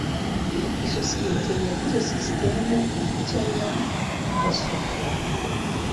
Isosiyete yaguze sisitemu nshya ya mudasobwa.